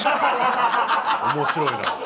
面白いな。